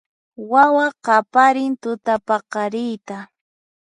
Wawa qaparin tutapaqariyta